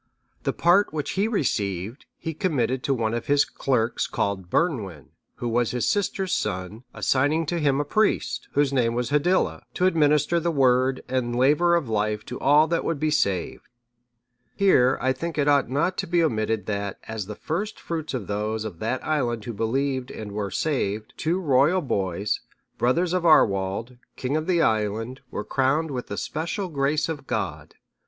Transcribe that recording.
The part which he received, he committed to one of his clerks called Bernwin, who was his sister's son, assigning to him a priest, whose name was Hiddila, to administer the Word and laver of life to all that would be saved. Here I think it ought not to be omitted that, as the first fruits of those of that island who believed and were saved, two royal boys, brothers to Arwald, king of the island,(637) were crowned with the special grace of God.